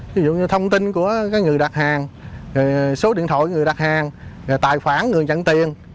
ví dụ như thông tin của người đặt hàng số điện thoại người đặt hàng tài khoản người nhận tiền